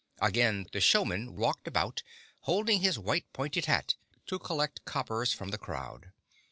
Again the showman walked about, holding his white, pointed hat to collect coppers from the crowd.